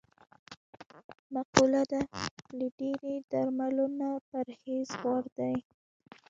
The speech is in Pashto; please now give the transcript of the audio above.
مقوله ده: له ډېری درملو نه پرهېز غور دی.